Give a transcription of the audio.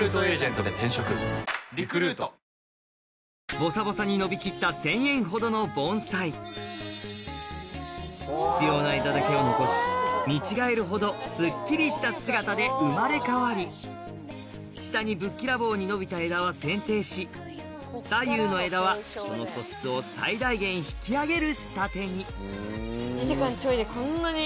ボサボサに伸びきった１０００円ほどの盆栽必要な枝だけを残し見違えるほどスッキリした姿で生まれ変わり下にぶっきらぼうに伸びた枝は剪定し左右の枝はその素質を最大限引き上げる仕立てにこんなに。